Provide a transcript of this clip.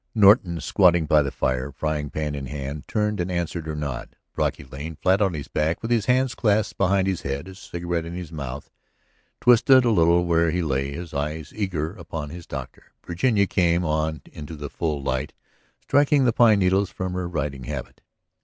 Norton, squatting by the fire, frying pan in hand, turned and answered her nod; Brocky Lane, flat on his back with his hands clasped behind his head, a cigarette in his mouth, twisted a little where he lay, his eyes eager upon his doctor. Virginia came on into the full light, striking the pine needles from her riding habit.